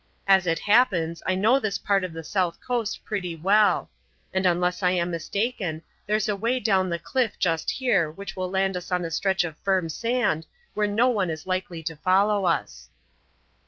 As it happens, I know this part of the south coast pretty well. And unless I am mistaken there's a way down the cliff just here which will land us on a stretch of firm sand where no one is likely to follow us."